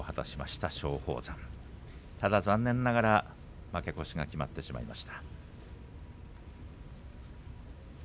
ただ残念ながら負け越しが決まっています。